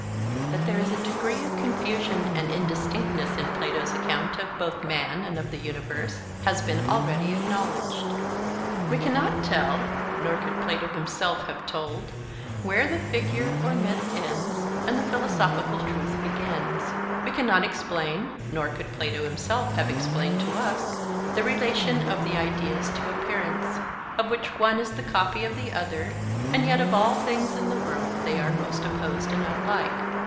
That there is a degree of confusion and indistinctness in Plato's account both of man and of the universe has been already acknowledged. We cannot tell (nor could Plato himself have told) where the figure or myth ends and the philosophical truth begins; we cannot explain (nor could Plato himself have explained to us) the relation of the ideas to appearance, of which one is the copy of the other, and yet of all things in the world they are the most opposed and unlike.